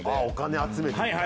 お金集めて。